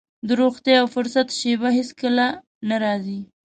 د روغتيا او فرصت شېبه هېڅ کله نه راځي.